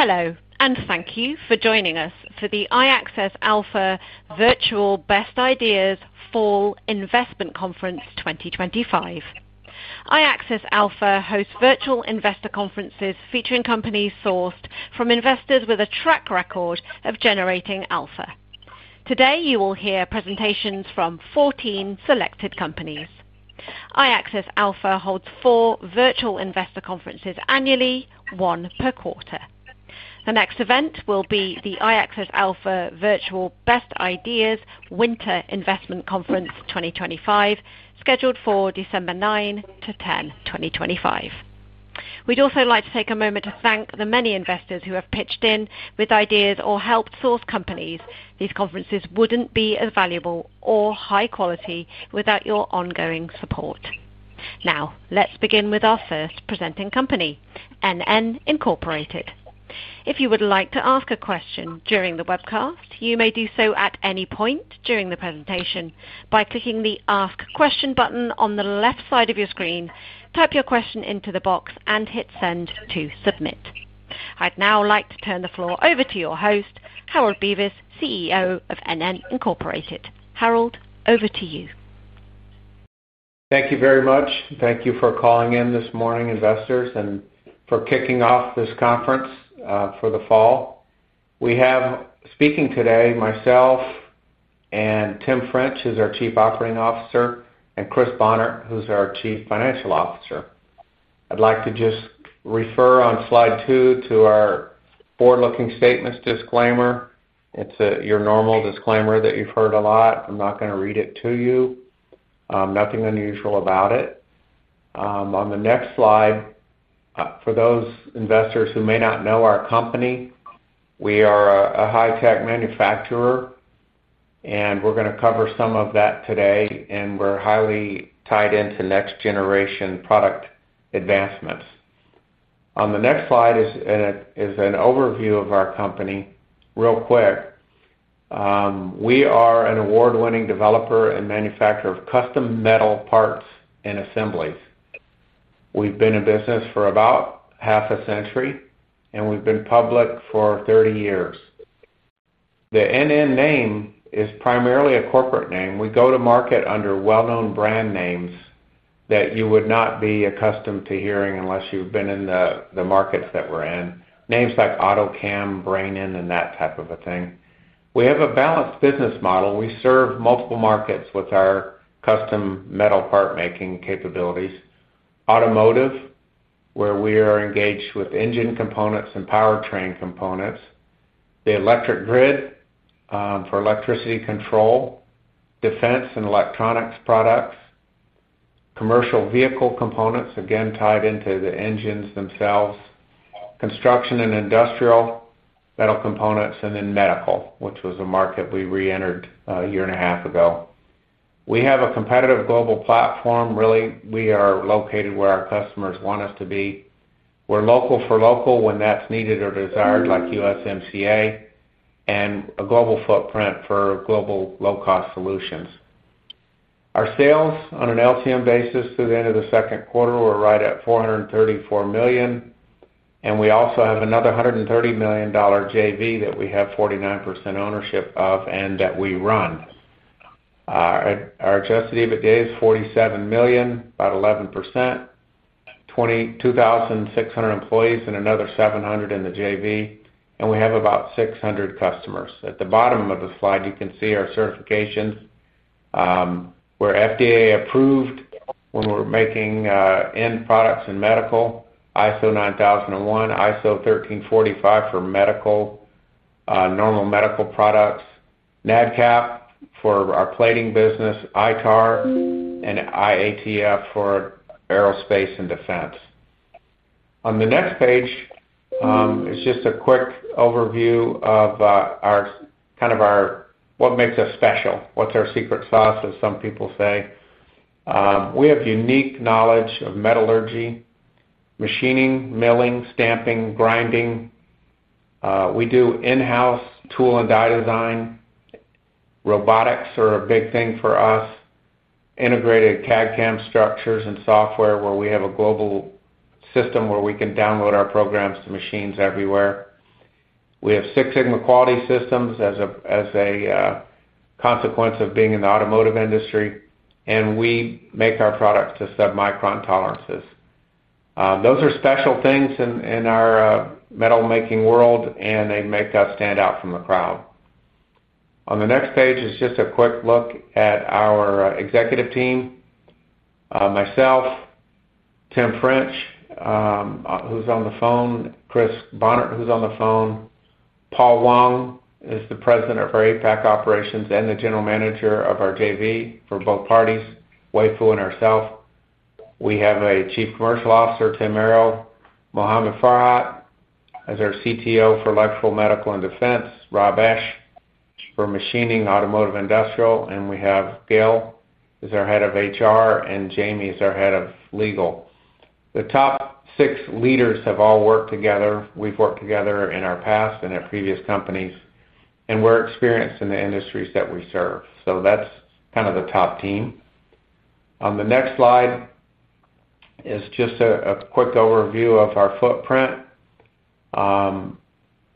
Hello, and thank you for joining us for the iAccess Alpha Virtual Best Ideas Fall Investment Conference 2025. iAccess Alpha hosts virtual investor conferences featuring companies sourced from investors with a track record of generating alpha. Today, you will hear presentations from 14 selected companies. iAccess Alpha holds four virtual investor conferences annually, one per quarter. The next event will be the iAccess Alpha Virtual Best Ideas Winter Investment Conference 2025, scheduled for December 9 to 10, 2025. We'd also like to take a moment to thank the many investors who have pitched in with ideas or helped source companies. These conferences wouldn't be as valuable or high quality without your ongoing support. Now, let's begin with our first presenting company, NN Incorporated. If you would like to ask a question during the webcast, you may do so at any point during the presentation by clicking the Ask Question button on the left side of your screen, type your question into the box, and hit Send to submit. I'd now like to turn the floor over to your host, Harold Bevis, CEO of NN Incorporated. Harold, over to you. Thank you very much. Thank you for calling in this morning, investors, and for kicking off this conference for the fall. We have speaking today myself and Tim French, who's our Chief Operating Officer, and Chris Bohnert, who's our Chief Financial Officer. I'd like to just refer on slide two to our forward-looking statements disclaimer. It's your normal disclaimer that you've heard a lot. I'm not going to read it to you. Nothing unusual about it. On the next slide, for those investors who may not know our company, we are a high-tech manufacturer, and we're going to cover some of that today. We're highly tied into next-generation product advancements. On the next slide is an overview of our company real quick. We are an award-winning developer and manufacturer of custom metal parts and assemblies. We've been in business for about half a century, and we've been public for 30 years. The NN name is primarily a corporate name. We go to market under well-known brand names that you would not be accustomed to hearing unless you've been in the markets that we're in, names like AutoCAM, Brainin, and that type of a thing. We have a balanced business model. We serve multiple markets with our custom metal part-making capabilities: automotive, where we are engaged with engine components and powertrain components, the electric grid for electricity control, defense and electronics products, commercial vehicle components, again tied into the engines themselves, construction and industrial metal components, and then medical, which was a market we reentered a year and a half ago. We have a competitive global platform. Really, we are located where our customers want us to be. We're local for local when that's needed or desired, like USMCA, and a global footprint for global low-cost solutions. Our sales on an LTM basis through the end of the second quarter were right at $434 million. We also have another $130 million JV that we have 49% ownership of and that we run. Our adjusted EBITDA is $47 million, about 11%, 2,600 employees, and another 700 in the JV. We have about 600 customers. At the bottom of the slide, you can see our certifications. We're FDA approved when we're making end products in medical, ISO 9001, ISO 13485 for medical, normal medical products, NADCAP for our plating business, ITAR, and IATF for aerospace and defense. On the next page, it's just a quick overview of our kind of our what makes us special. What's our secret sauce, as some people say? We have unique knowledge of metallurgy, machining, milling, stamping, grinding. We do in-house tool and die design. Robotics are a big thing for us. Integrated CAD/CAM structures and software where we have a global system where we can download our programs to machines everywhere. We have Six Sigma quality systems as a consequence of being in the automotive industry. We make our products to sub-micron tolerances. Those are special things in our metal-making world, and they make that stand out from the crowd. On the next page, it's just a quick look at our executive team: myself, Tim French, who's on the phone, Chris Bohnert, who's on the phone, Paul Wong is the President of our APAC operations and the General Manager of our JV for both parties, Weifu and ourself. We have a Chief Commercial Officer, Tim Merrill; Mohamed Farhat is our CTO for electrical, medical, and defense; Rob Esch for machining, automotive, industrial; and we have Gill, who's our Head of HR; and Jamie is our Head of Legal. The top six leaders have all worked together. We've worked together in our past and at previous companies. We're experienced in the industries that we serve. That's kind of the top team. On the next slide is just a quick overview of our footprint.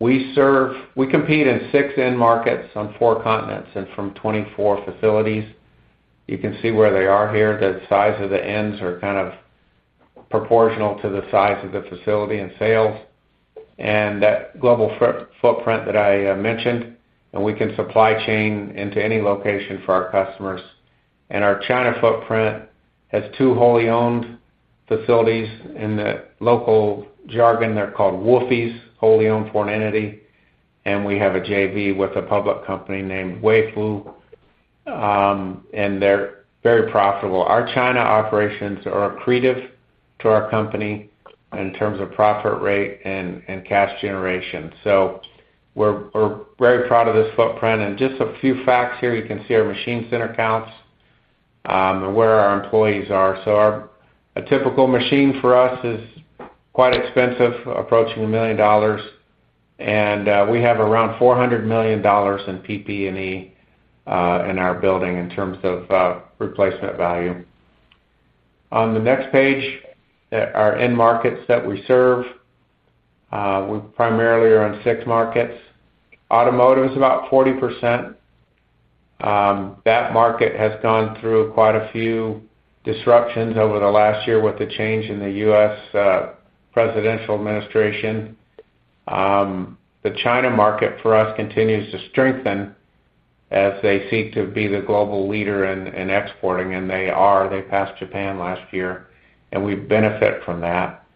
We compete in six end markets on four continents and from 24 facilities. You can see where they are here. The size of the ends are kind of proportional to the size of the facility and sales. That global footprint that I mentioned, and we can supply chain into any location for our customers. Our China footprint has two wholly owned facilities. In the local jargon, they're called WOFIs, wholly owned foreign entity. We have a JV with a public company named Weifu. They're very profitable. Our China operations are accretive to our company in terms of profit rate and cash generation. We're very proud of this footprint. Just a few facts here. You can see our machine center counts and where our employees are. A typical machine for us is quite expensive, approaching $1 million. We have around $400 million in PP&E in our building in terms of replacement value. On the next page, our end markets that we serve, we primarily are on six markets. Automotive is about 40%. That market has gone through quite a few disruptions over the last year with the change in the U.S. presidential administration. The China market for us continues to strengthen as they seek to be the global leader in exporting. They are. They passed Japan last year, and we benefit from that.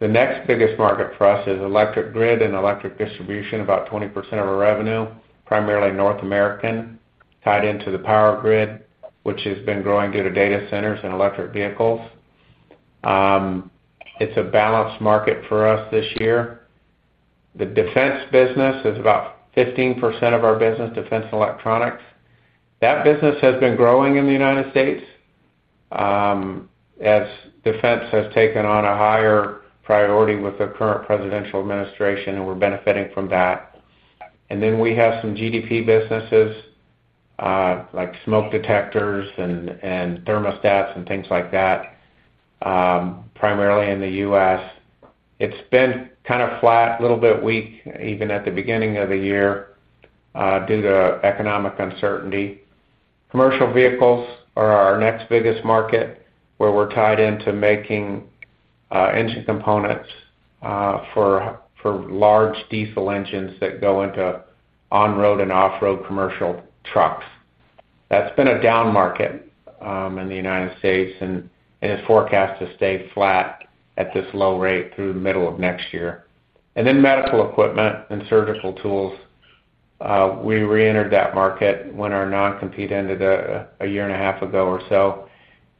The next biggest market for us is electric grid and electric distribution, about 20% of our revenue, primarily North American, tied into the power grid, which has been growing due to data centers and electric vehicles. It's a balanced market for us this year. The defense business is about 15% of our business, defense and electronics. That business has been growing in the United States as defense has taken on a higher priority with the current presidential administration, and we're benefiting from that. We have some GDP businesses like smoke detectors and thermostats and things like that, primarily in the U.S. It's been kind of flat, a little bit weak even at the beginning of the year due to economic uncertainty. Commercial vehicles are our next biggest market where we're tied into making engine components for large diesel engines that go into on-road and off-road commercial trucks. That's been a down market in the United States, and it is forecast to stay flat at this low rate through the middle of next year. Medical equipment and surgical tools, we reentered that market when our non-compete ended a year and a half ago or so,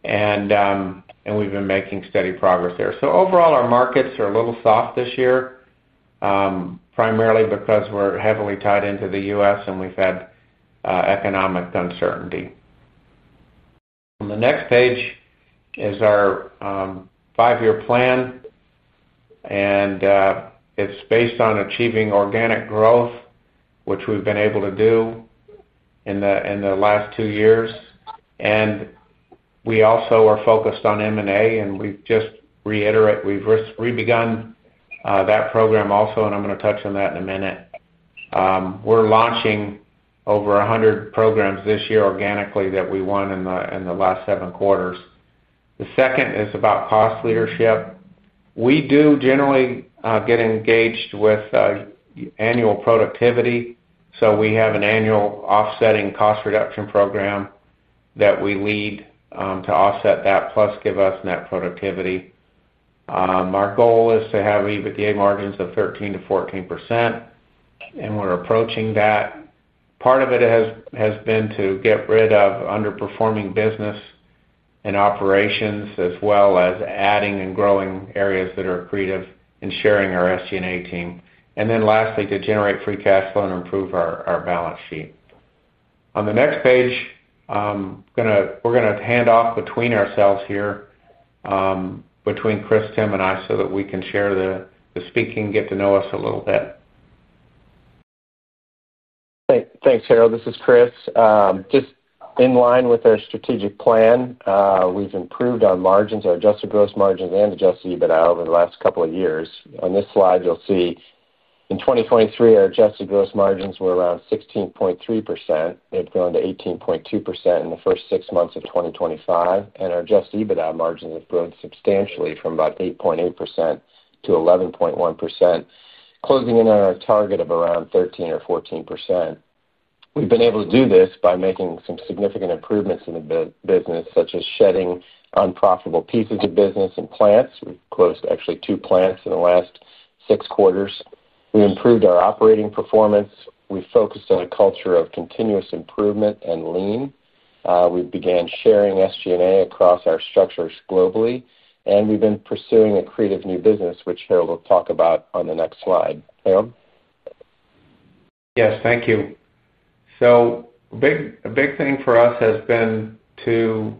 and we've been making steady progress there. Overall, our markets are a little soft this year, primarily because we're heavily tied into the U.S. and we've had economic uncertainty. On the next page is our five-year plan. It's based on achieving organic growth, which we've been able to do in the last two years. We also are focused on M&A, and we just reiterate, we've re-begun that program also, and I'm going to touch on that in a minute. We're launching over 100 programs this year organically that we won in the last seven quarters. The second is about cost leadership. We do generally get engaged with annual productivity, so we have an annual offsetting cost reduction program that we lead to offset that, plus give us net productivity. Our goal is to have EBITDA margins of 13%-14%, and we're approaching that. Part of it has been to get rid of underperforming business and operations, as well as adding and growing areas that are creative and sharing our SG&A team. Lastly, to generate free cash flow and improve our balance sheet. On the next page, we're going to hand off between ourselves here, between Chris, Tim, and I, so that we can share the speaking, get to know us a little bit. Thanks, Harold. This is Chris. Just in line with our strategic plan, we've improved our margins, our adjusted gross margins, and adjusted EBITDA over the last couple of years. On this slide, you'll see in 2023, our adjusted gross margins were around 16.3%. They've grown to 18.2% in the first six months of 2025. Our adjusted EBITDA margins have grown substantially from about 8.8% to 11.1%, closing in on our target of around 13% or 14%. We've been able to do this by making some significant improvements in the business, such as shedding unprofitable pieces to business and plants. We closed actually two plants in the last six quarters. We improved our operating performance. We focused on a culture of continuous improvement and lean. We began sharing SG&A across our structures globally. We've been pursuing a creative new business, which French will talk about on the next slide. Harold? Yes, thank you. A big thing for us has been to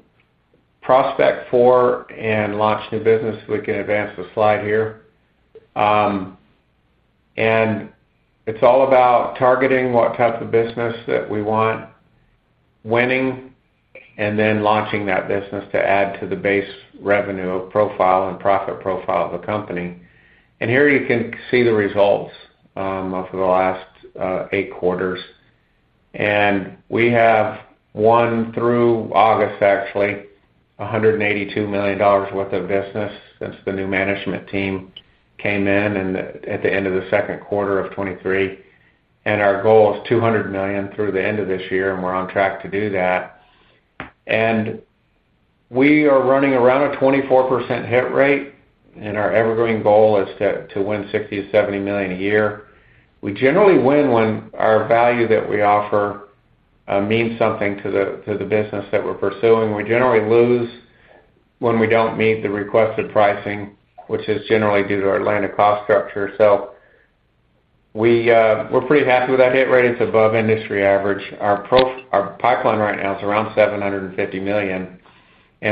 prospect for and launch new business. We can advance the slide here. It's all about targeting what type of business that we want, winning, and then launching that business to add to the base revenue profile and profit profile of the company. Here you can see the results over the last eight quarters. We have won, through August, actually, $182 million worth of business since the new management team came in at the end of the second quarter of 2023. Our goal is $200 million through the end of this year, and we're on track to do that. We are running around a 24% hit rate. Our evergreen goal is to win $60 million-$70 million a year. We generally win when our value that we offer means something to the business that we're pursuing. We generally lose when we don't meet the requested pricing, which is generally due to our Atlantic cost structure. We're pretty happy with that hit rate. It's above industry average. Our pipeline right now is around $750 million.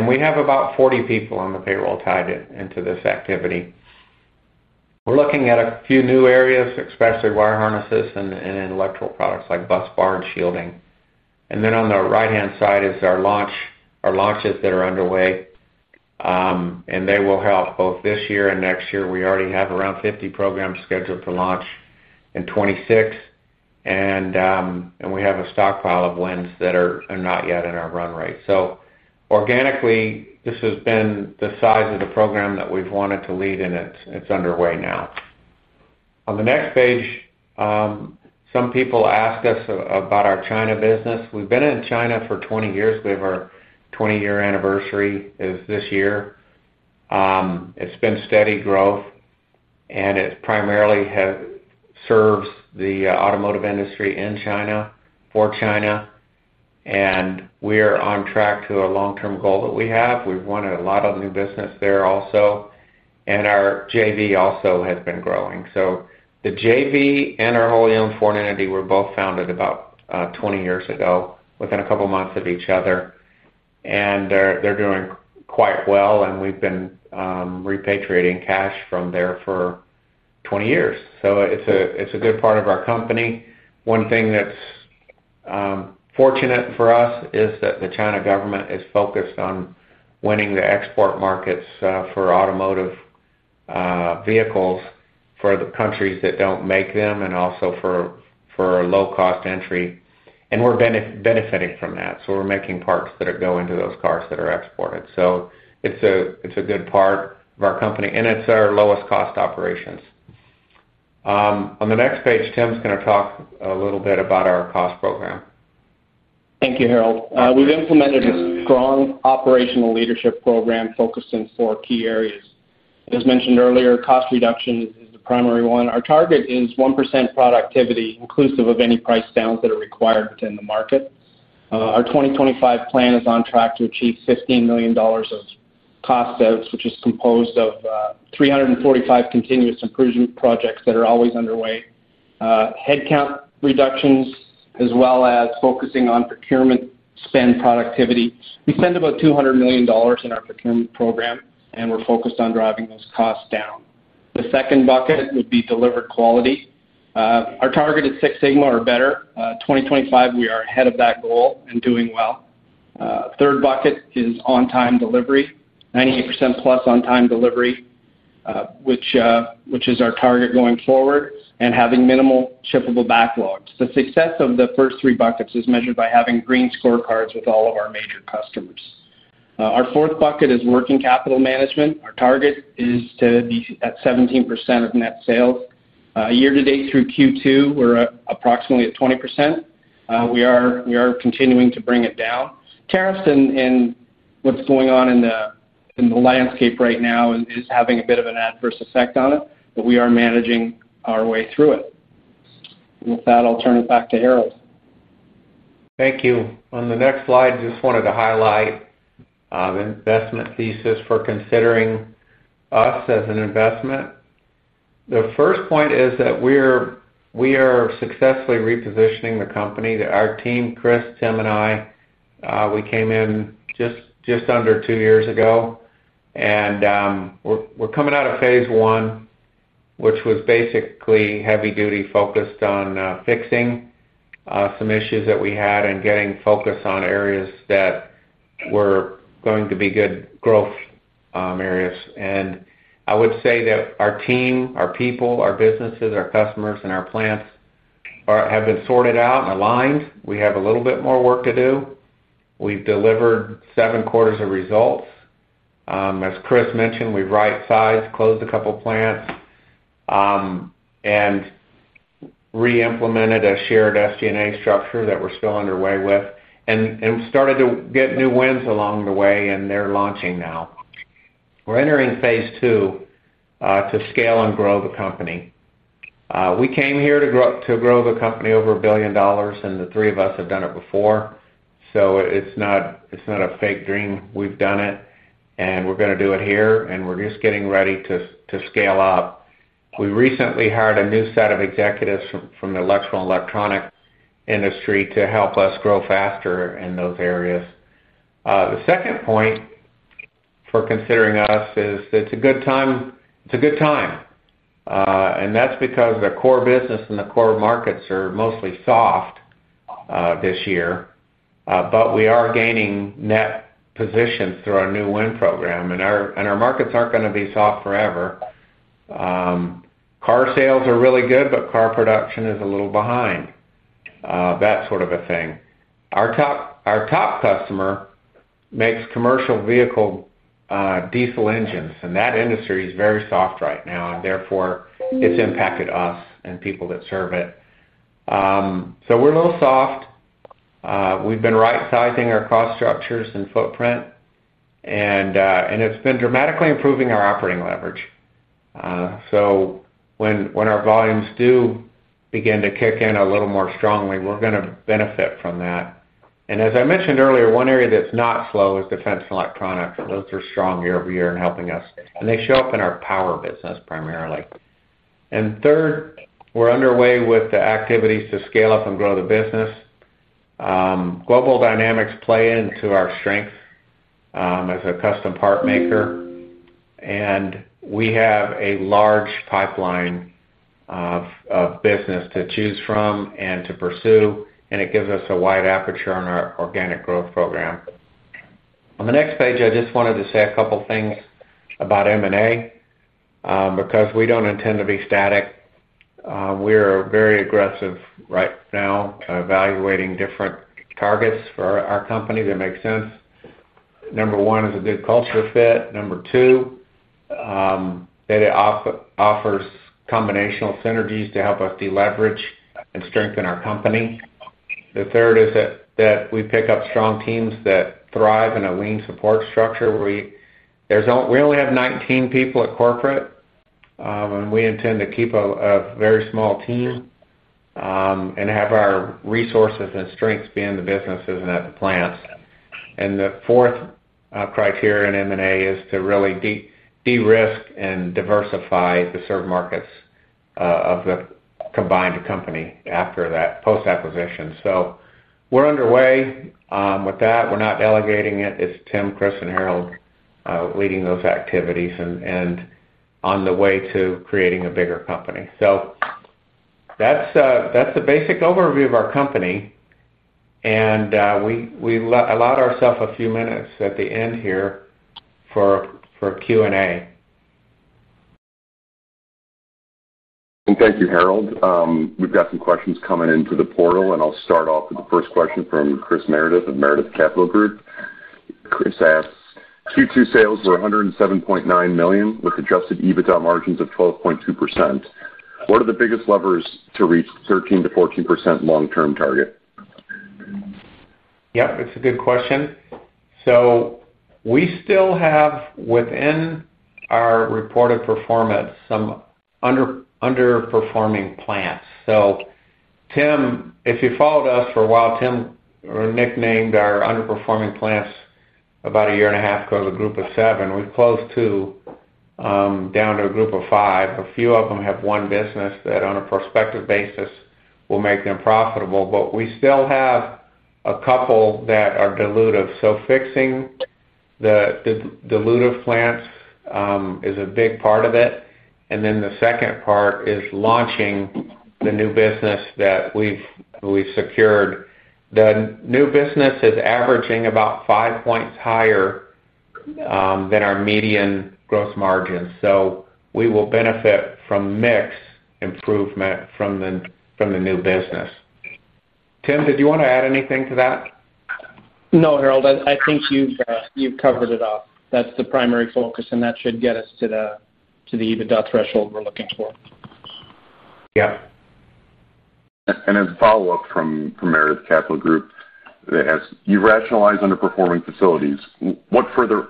We have about 40 people on the payroll tied into this activity. We're looking at a few new areas, especially wire harnesses and intellectual products like bus bar and shielding. On the right-hand side is our launches that are underway. They will help both this year and next year. We already have around 50 programs scheduled to launch in 2026. We have a stockpile of wins that are not yet in our run rate. Organically, this has been the size of the program that we've wanted to lead, and it's underway now. On the next page, some people ask us about our China business. We've been in China for 20 years. We have our 20-year anniversary this year. It's been steady growth. It primarily serves the automotive industry in China, for China. We are on track to a long-term goal that we have. We've won a lot of new business there also. Our JV also has been growing. The JV and our wholly owned foreign entity were both founded about 20 years ago, within a couple of months of each other. They're doing quite well. We've been repatriating cash from there for 20 years. It's a good part of our company. One thing that's fortunate for us is that the China government is focused on winning the export markets for automotive vehicles for the countries that don't make them and also for low-cost entry. We're benefiting from that. We're making parts that go into those cars that are exported. It's a good part of our company, and it's our lowest cost operations. On the next page, Tim's going to talk a little bit about our cost program. Thank you, Harold. We've implemented a strong operational leadership program focused in four key areas. As mentioned earlier, cost reduction is the primary one. Our target is 1% productivity, inclusive of any price downs that are required within the market. Our 2025 plan is on track to achieve $15 million of cost saves, which is composed of 345 continuous improvement projects that are always underway, headcount reductions, as well as focusing on procurement spend productivity. We spend about $200 million in our procurement program, and we're focused on driving those costs down. The second bucket would be delivered quality. Our target at Six Sigma or better. In 2025, we are ahead of that goal and doing well. The third bucket is on-time delivery, 98%+ on-time delivery, which is our target going forward, and having minimal shippable backlogs. The success of the first three buckets is measured by having green scorecards with all of our major customers. Our fourth bucket is working capital management. Our target is to be at 17% of net sales. Year to date, through Q2, we're approximately at 20%. We are continuing to bring it down. Tariffs and what's going on in the landscape right now is having a bit of an adverse effect on it, but we are managing our way through it. With that, I'll turn it back to Harold. Thank you. On the next slide, I just wanted to highlight the investment thesis for considering us as an investment. The first point is that we are successfully repositioning the company. Our team, Chris, Tim, and I, we came in just under two years ago. We're coming out of phase I, which was basically heavy-duty focused on fixing some issues that we had and getting focus on areas that were going to be good growth areas. I would say that our team, our people, our businesses, our customers, and our plants have been sorted out and aligned. We have a little bit more work to do. We've delivered seven quarters of results. As Chris mentioned, we've right-sized, closed a couple of plants, and reimplemented a shared SG&A structure that we're still underway with. We started to get new wins along the way, and they're launching now. We're entering phase II to scale and grow the company. We came here to grow the company over $1 billion, and the three of us have done it before. It's not a fake dream. We've done it. We're going to do it here. We're just getting ready to scale up. We recently hired a new set of executives from the electrical and electronic industry to help us grow faster in those areas. The second point for considering us is that it's a good time. That's because the core business and the core markets are mostly soft this year, but we are gaining net positions through our new win program. Our markets aren't going to be soft forever. Car sales are really good, but car production is a little behind, that sort of a thing. Our top customer makes commercial vehicle diesel engines, and that industry is very soft right now. Therefore, it's impacted us and people that serve it. We're a little soft. We've been right-sizing our cost structures and footprint, and it's been dramatically improving our operating leverage. When our volumes do begin to kick in a little more strongly, we're going to benefit from that. As I mentioned earlier, one area that's not slow is defense and electronics. Those are strong year over year in helping us, and they show up in our power business primarily. Third, we're underway with the activities to scale up and grow the business. Global dynamics play into our strength as a custom part maker, and we have a large pipeline of business to choose from and to pursue. It gives us a wide aperture on our organic growth program. On the next page, I just wanted to say a couple of things about M&A because we don't intend to be static. We are very aggressive right now, evaluating different targets for our company that make sense. Number one is a good culture fit. Number two, that it offers combinational synergies to help us deleverage and strengthen our company. The third is that we pick up strong teams that thrive in a lean support structure. We only have 19 people at corporate, and we intend to keep a very small team and have our resources and strengths be in the businesses and at the plants. The fourth criteria in M&A is to really de-risk and diversify the serve markets of the combined company after that post-acquisition. We're underway with that. We're not delegating it. It's Tim, Chris, and Harold leading those activities and on the way to creating a bigger company. That's the basic overview of our company, and we allowed ourselves a few minutes at the end here for Q&A. Thank you, Harold. We've got some questions coming into the portal. I'll start off with the first question from Chris Meredith of Meredith Capital Group. Chris asks, Q2 sales were $107.9 million with adjusted EBITDA margins of 12.2%. What are the biggest levers to reach 13%-14% long-term target? Yep, it's a good question. We still have within our reported performance some underperforming plants. Tim, if you followed us for a while, Tim nicknamed our underperforming plants about a year and a half ago the group of seven. We've closed two, down to a group of five. A few of them have one business that, on a prospective basis, will make them profitable. We still have a couple that are dilutive. Fixing the dilutive plant is a big part of it. The second part is launching the new business that we've secured. The new business is averaging about 5 points higher than our median gross margins. We will benefit from mix improvement from the new business. Tim, did you want to add anything to that? No, Harold. I think you've covered it off. That's the primary focus. That should get us to the EBITDA threshold we're looking for. Yeah. As a follow-up from Meredith Capital Group, they ask, you rationalize underperforming facilities. What further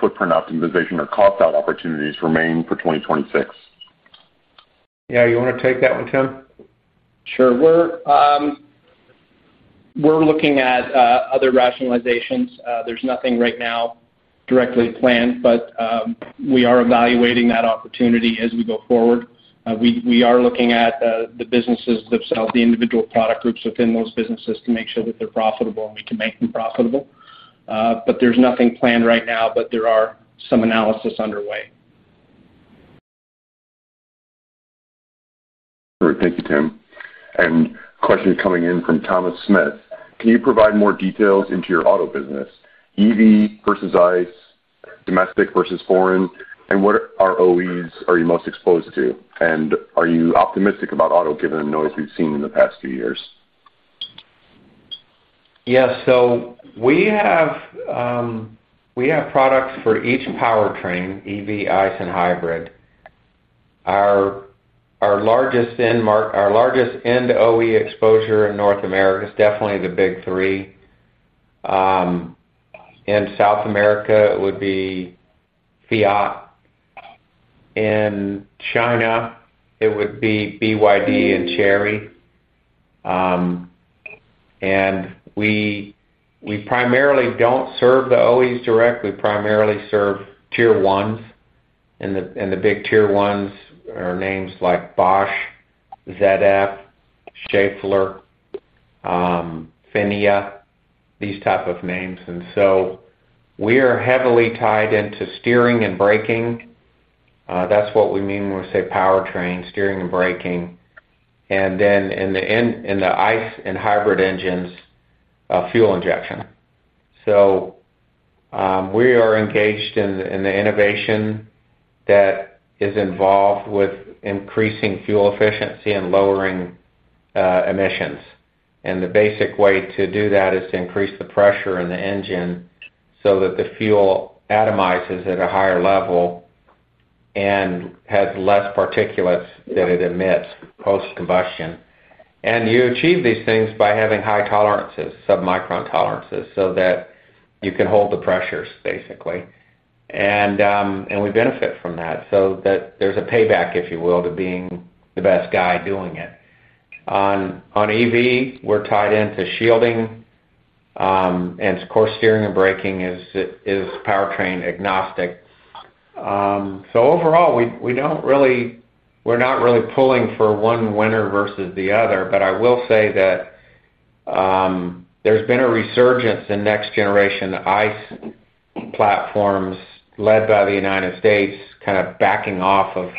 footprint optimization or cost-out opportunities remain for 2026? Yeah, you want to take that one, Tim? Sure. We're looking at other rationalizations. There's nothing right now directly planned. We are evaluating that opportunity as we go forward. We are looking at the businesses themselves, the individual product groups within those businesses to make sure that they're profitable and we can make them profitable. There's nothing planned right now, although there are some analyses underway. Great. Thank you, Tim. A question coming in from Thomas Smith: Can you provide more details into your auto business, EV versus ICE, domestic versus foreign? What ROEs are you most exposed to? Are you optimistic about auto, given the noise we've seen in the past few years? Yeah, so we have products for each powertrain, EV, ICE, and hybrid. Our largest end OE exposure in North America is definitely the big three. In South America, it would be Fiat. In China, it would be BYD and Chery. We primarily don't serve the OEs directly. We primarily serve tier ones. The big tier ones are names like Bosch, ZF, Schaeffler, Finnea, these types of names. We are heavily tied into steering and braking. That's what we mean when we say powertrain, steering and braking. In the ICE and hybrid engines, fuel injection. We are engaged in the innovation that is involved with increasing fuel efficiency and lowering emissions. The basic way to do that is to increase the pressure in the engine so that the fuel atomizes at a higher level and has less particulates that it emits post-combustion. You achieve these things by having high tolerances, sub-micron tolerances, so that you can hold the pressures, basically. We benefit from that so that there's a payback, if you will, to being the best guy doing it. On EV, we're tied into shielding. Of course, steering and braking is powertrain agnostic. Overall, we don't really, we're not really pulling for one winner versus the other. I will say that there's been a resurgence in next-generation ICE platforms led by the United States, kind of backing off of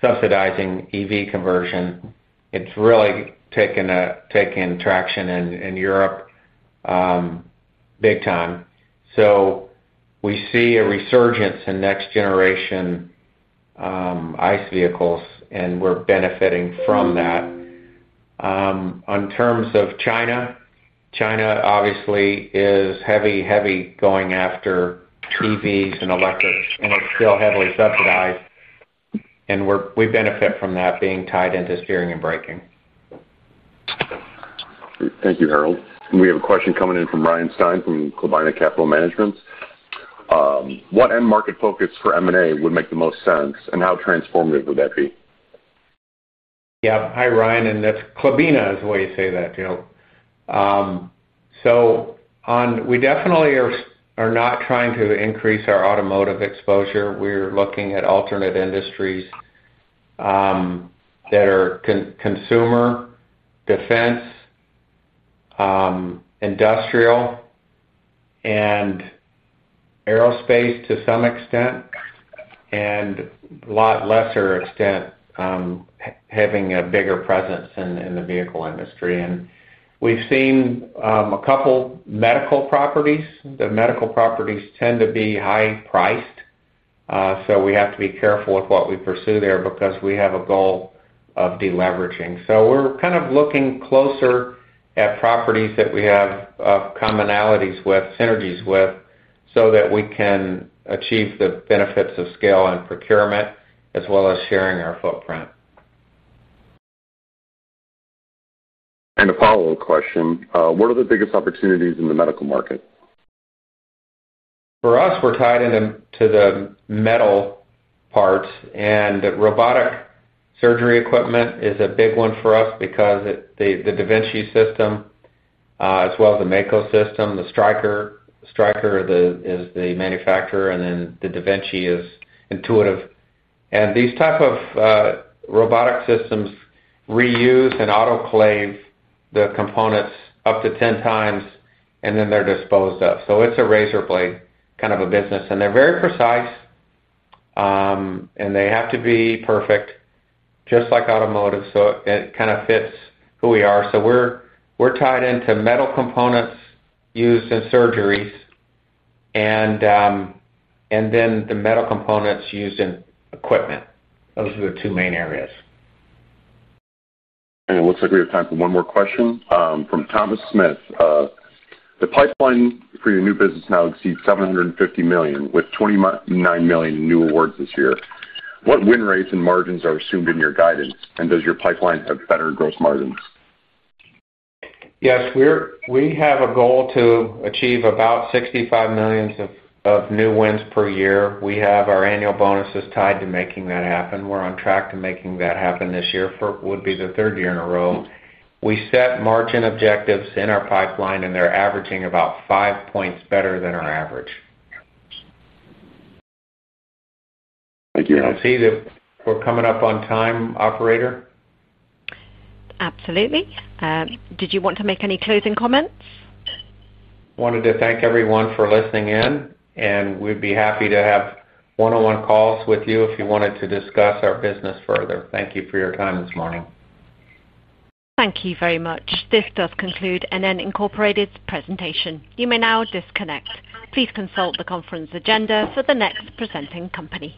subsidizing EV conversion. It's really taken traction in Europe big time. We see a resurgence in next-generation ICE vehicles. We're benefiting from that. In terms of China, China obviously is heavy, heavy going after EVs and electrics. It's still heavily subsidized. We benefit from that being tied into steering and braking. Thank you, Harold. We have a question coming in from Ryan Stine from Chelbina Capital Management. What end market focus for M&A would make the most sense? How transformative would that be? Yeah, hi, Ryan. That's Chlebina is the way you say that. We definitely are not trying to increase our automotive exposure. We're looking at alternate industries that are consumer, defense, industrial, and aerospace to some extent, and to a lot lesser extent having a bigger presence in the vehicle industry. We've seen a couple of medical properties. The medical properties tend to be high priced. We have to be careful with what we pursue there because we have a goal of deleveraging. We're kind of looking closer at properties that we have commonalities with, synergies with, so that we can achieve the benefits of scale and procurement, as well as sharing our footprint. What are the biggest opportunities in the medical market? For us, we're tied into the metal parts. Robotic surgery equipment is a big one for us because the Da Vinci system, as well as the Mako system, the Stryker—Stryker is the manufacturer, and then the Da Vinci is Intuitive. These types of robotic systems reuse and autoclave the components up to 10 times, and then they're disposed of. It's a razor blade kind of a business. They're very precise, and they have to be perfect, just like automotive. It kind of fits who we are. We're tied into metal components used in surgeries and then the metal components used in equipment. Those are the two main areas. It looks like we have time for one more question from Thomas Smith. The pipeline for your new business now exceeds $750 million, with $29 million new awards this year. What win rates and margins are assumed in your guidance? Does your pipeline have better growth margins? Yes, we have a goal to achieve about $65 million of new wins per year. We have our annual bonuses tied to making that happen. We're on track to making that happen this year. It would be the third year in a row. We set margin objectives in our pipeline, and they're averaging about 5 points better than our average. Thank you, Harold. We're coming up on time, operator. Absolutely. Did you want to make any closing comments? I wanted to thank everyone for listening in. We'd be happy to have one-on-one calls with you if you wanted to discuss our business further. Thank you for your time this morning. Thank you very much. This does conclude NN Incorporated's presentation. You may now disconnect. Please consult the conference agenda for the next presenting company.